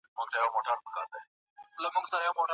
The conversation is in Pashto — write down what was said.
رښتيا ويل تر درواغو ويلو ښه دي.